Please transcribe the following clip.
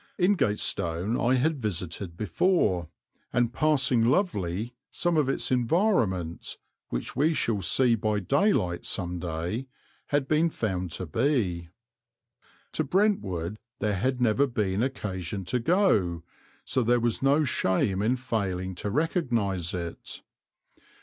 Ingatestone I had visited before, and passing lovely some of its environment, which we shall see by daylight some day, had been found to be. To Brentwood there had never been occasion to go, so there was no shame in failing to recognize it.